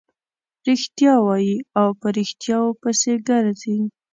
رښتیا وايي او په ريښتیاوو پسې ګرځي.